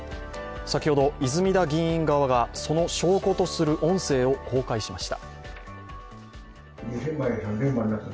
先ほど、泉田議員側がその証拠とする音声を公開しました。